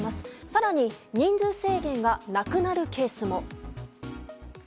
更に人数制限がなくなるケースも。